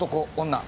女？